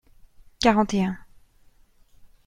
Quarante et un.